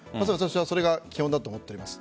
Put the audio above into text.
それが基本だと思っております。